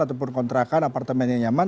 ataupun kontrakan apartemen yang nyaman